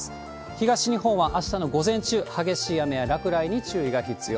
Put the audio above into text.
東日本はあしたの午前中、激しい雨や落雷に注意が必要。